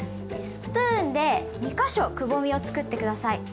スプーンで２か所くぼみをつくって下さい。